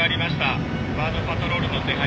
バードパトロールの手配